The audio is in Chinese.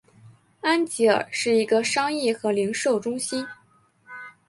安吉尔是一个商业和零售中心。